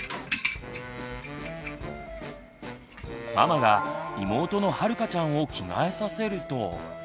ママが妹のはるかちゃんを着替えさせると。